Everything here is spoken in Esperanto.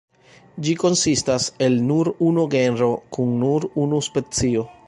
Ĝi konsistas el nur unu genro kun nur unu specio.